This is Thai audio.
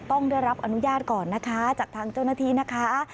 ต้องได้รับอนุญาตก่อนนะคะจากทางเจ้าหน้าที่นะคะ